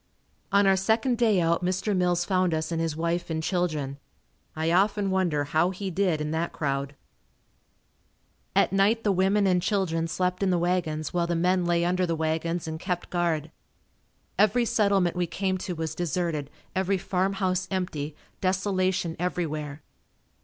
On our second day out Mr. Mills found us and his wife and children. I often wonder how he did in that crowd. At night the women and children slept in the wagons while the men lay under the wagons and kept guard. Every settlement we came to was deserted, every farm house empty, desolation everywhere.